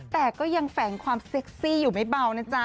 แต่ก็ยังแฝงความเซ็กซี่อยู่ไม่เบานะจ๊ะ